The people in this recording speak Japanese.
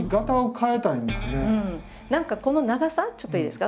何かこの長さちょっといいですか？